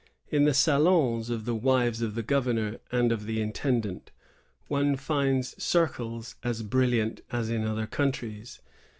In the salons of .the wives of the governor and of the intendant, one finds circles as bnlliant as in other countries."